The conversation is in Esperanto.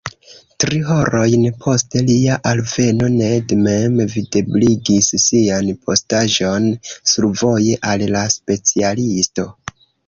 Tri horojn post lia alveno, Ned mem videbligis sian postaĵon survoje al la specialisto.